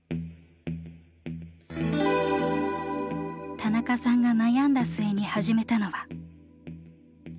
田中さんが悩んだ末に始めたのは。